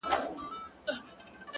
گراني شاعري دغه واوره ته،